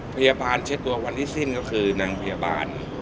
เช็ดตัววันที่สิ้นก็คือนางพยาบาล